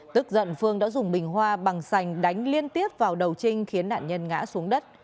tức giận phương đã dùng bình hoa bằng sành đánh liên tiếp vào đầu trinh khiến nạn nhân ngã xuống đất